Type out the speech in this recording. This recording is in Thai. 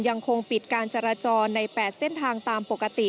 ยังคงปิดการจราจรใน๘เส้นทางตามปกติ